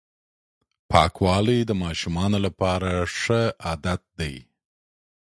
پاکوالی د ماشومانو لپاره ښه عادت دی.